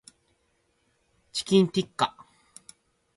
チキンティッカ